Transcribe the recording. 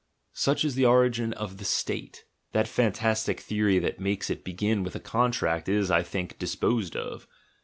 Such is the origin of the "State." That fantas tic theory that makes it begin with a contract is, I think, disposed of.